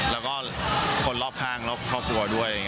แล้วก็คนรอบข้างครอบครัวด้วย